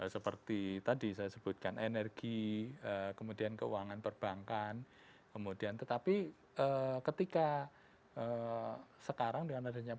seperti tadi saya sebutkan energi kemudian keuangan perbankan kemudian tetapi ketika sekarang dengan adanya pandemi kita menemukan sektor yang kemudian kita bisa mencari